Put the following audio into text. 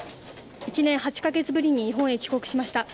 １年８カ月ぶりに日本に到着しました。